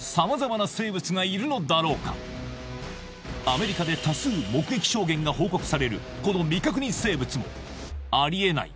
アメリカで多数目撃証言が報告されるこの未確認生物も「ありえない！」